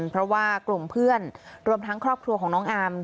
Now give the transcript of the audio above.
เพราะว่ากลุ่มเพื่อนรวมทั้งครอบครัวของน้องอาม